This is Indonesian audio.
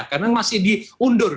karena masih diundur